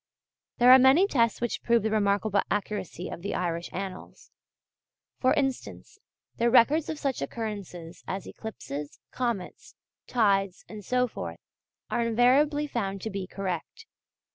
There are many tests which prove the remarkable accuracy of the Irish Annals. For instance, their records of such occurrences as eclipses, comets, tides, and so forth, are invariably found to be correct.